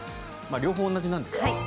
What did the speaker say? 両方同じなんですけどね。